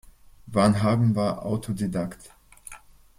Varnhagen war Autodidakt.